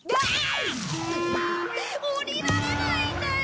下りられないんだよ！！